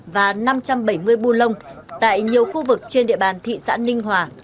và năm trăm bảy mươi bu lông tại nhiều khu vực trên địa bàn thị xã ninh hòa